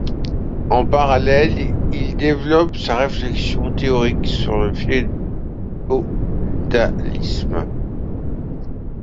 En parallèle, il développe sa réflexion théorique sur le féodalisme.